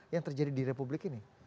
yang terjadi di republik ini